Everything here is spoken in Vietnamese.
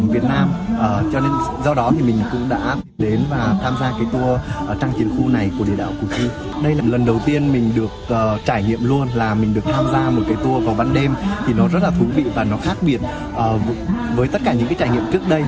với tất cả những trải nghiệm trước đây